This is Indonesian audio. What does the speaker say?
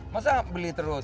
masa beli terus